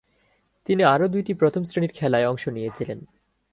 তিনি আরও দুইটি প্রথম-শ্রেণীর খেলায় অংশ নিয়েছিলেন।